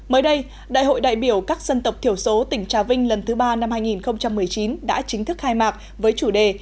mới đây đại hội đại biểu các dân tộc thiểu số tỉnh trà vinh lần thứ ba năm hai nghìn một mươi chín đã chính thức khai mạc với chủ đề